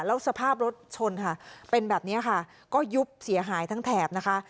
แล้วสภาพรถชนค่ะเป็นแบบนี้ค่ะก็ยุบเสียหายทั้งแถบนะคะ